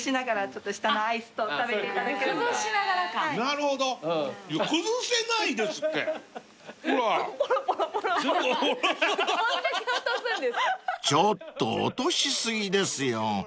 ［ちょっと落とし過ぎですよ］